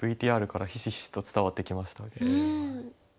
ＶＴＲからひしひしと伝わってきました。